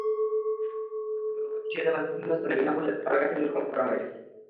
জলবায়ু প্রতিরোধে কুষ্টিয়া জেলার বিভিন্ন স্থানে বিনা মূল্যে তালগাছের বীজ রোপণ শুরু হয়েছে।